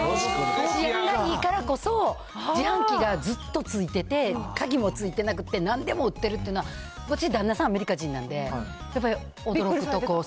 治安がいいから、自販機がずっとついてて、鍵もついてなくてなんでも売ってるっていうのは、うち旦那さん、アメリカ人なんで、やっぱり驚くとこ。